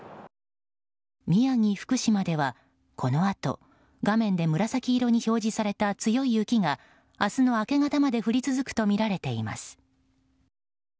宮城、福島では、このあと画面で紫色に表示された強い雪が明日の明け方まで降り続くとみられています。